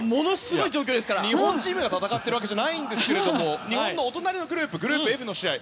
日本チームが戦ってるわけじゃないんですけどお隣のグループＦの試合